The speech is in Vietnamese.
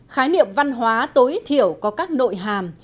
khái niệm văn hóa tối thiểu có các nội hàm